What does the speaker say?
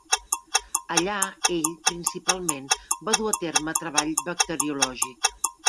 Allà ell principalment va dur a terme treball bacteriològic.